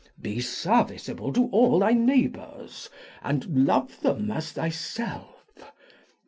Be serviceable to all thy neighbours, and love them as thyself.